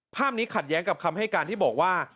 ภาพนี้ขัดแย้งกับคำให้การที่บอกว่า